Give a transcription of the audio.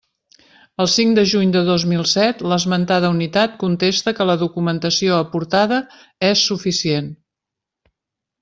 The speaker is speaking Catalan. El cinc de juny de dos mil set l'esmentada Unitat contesta que la documentació aportada és suficient.